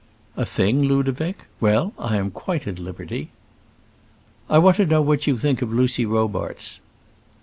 "A thing, Ludovic! well; I am quite at liberty." "I want to know what you think of Lucy Robarts?"